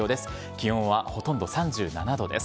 気温はほとんど３７度です。